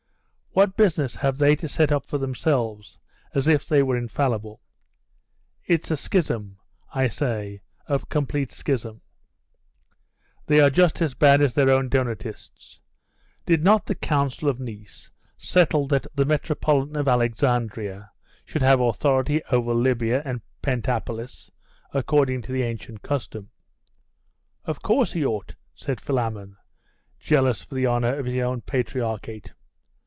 What business have they to set up for themselves, as if they were infallible? It's a schism, I say a complete schism. They are just as bad as their own Donatists. Did not the Council of Nice settle that the Metropolitan of Alexandria should have authority over Libya and Pentapolis, according to the ancient custom?' 'Of course he ought,' said Philammon, jealous for the honour of his own patriarchate.